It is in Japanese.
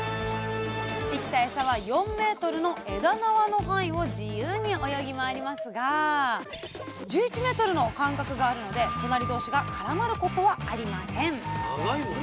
生きたエサは４ｍの「枝縄」の範囲を自由に泳ぎ回りますが１１ｍの間隔があるので隣同士が絡まることはありません。